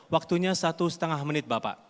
waktunya satu setengah menit bapak